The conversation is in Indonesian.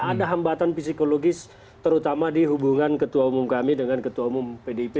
ada hambatan psikologis terutama di hubungan ketua umum kami dengan ketua umum pdip